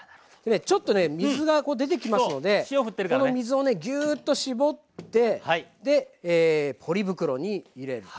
ちょっとね水が出てきますのでこの水をギューッと絞ってでポリ袋に入れる。